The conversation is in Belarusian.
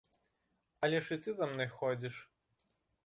Але ж і ты за мною ходзіш.